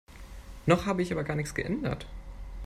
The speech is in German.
Noch habe ich aber gar nichts geändert.